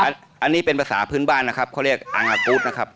อันนี้เป็นภาษาพื้นบ้านนะครับเขาเรียกอังอากูธนะครับ